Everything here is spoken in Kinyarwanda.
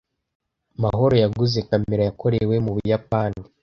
Mahoro yaguze kamera yakorewe mu Buyapani.